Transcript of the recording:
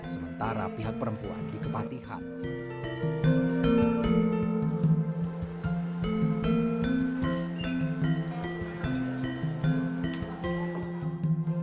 sementara pihak perempuan di kepatihan